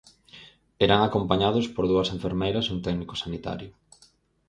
Irán acompañados por dúas enfermeiras e un técnico sanitario.